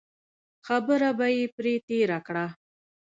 خبره به یې پرې تېره کړه.